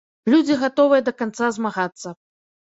Людзі гатовыя да канца змагацца.